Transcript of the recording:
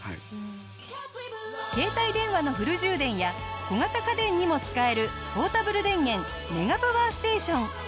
携帯電話のフル充電や小型家電にも使えるポータブル電源メガパワーステーション。